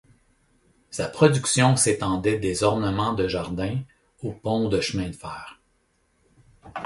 Sa production s'étendait des ornements de jardin aux ponts de chemin de fer.